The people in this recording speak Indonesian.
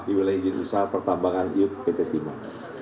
di wilayah jenderal usaha pertambangan yudh ketik timah